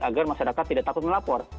agar masyarakat tidak takut melapor